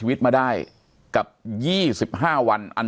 สวัสดีครับทุกผู้ชม